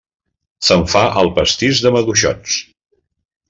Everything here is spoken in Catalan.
Se'n fa el pastís de maduixots.